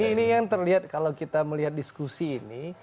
ini yang terlihat kalau kita melihat diskusi ini